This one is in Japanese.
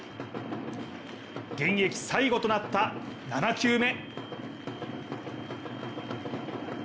現役最後となった７球目。